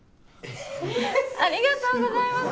ありがとうございます！